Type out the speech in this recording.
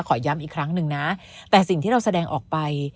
ขอย้ำอีกครั้งหนึ่งนะแต่สิ่งที่เราแสดงออกไป